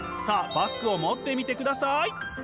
バッグを持ってみてください！